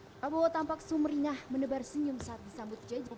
prabowo tampak sumeringah menebar senyum saat disambut jejak